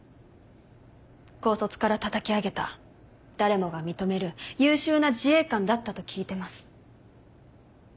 高卒からたたき上げた誰もが認める優秀な自衛官だったと聞いてます。